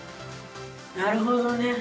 なるほどね。